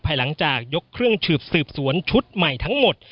หลังจากยกเครื่องสืบสวนชุดใหม่ทั้งหมด